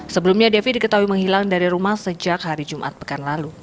sebelumnya devi diketahui menghilang dari rumah sejak hari jumat pekan lalu